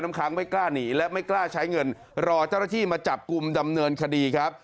ค้างไม่กล้าหนีและไม่กล้าใช้เงินรอเจ้าหน้าที่มาจับกลุ่มดำเนินคดีครับ